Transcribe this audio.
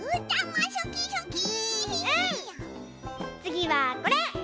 つぎはこれ！